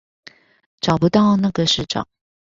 找不到那個市長